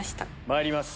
まいります！